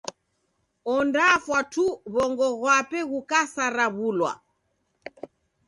Ondafwa tu w'ongo ghwape ghukasaraw'ulwa.